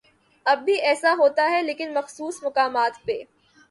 اب بھی ایسا ہوتا ہے لیکن مخصوص مقامات پہ۔